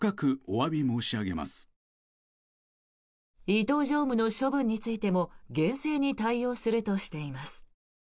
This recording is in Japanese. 伊東常務の処分についても厳正に対応するとしています。